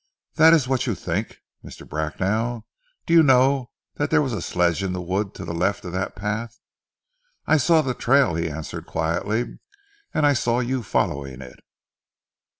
"That is what you think? Mr. Bracknell, do you know that there was a sledge in the wood to the left of that path?" "I saw the trail," he answered quietly, "and I saw you following it."